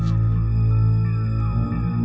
terima kasih pak